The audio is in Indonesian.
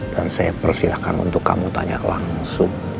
dan saya persilahkan untuk kamu tanya langsung